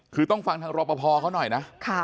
คือต้องฟังทางรอปภเขาหน่อยนะ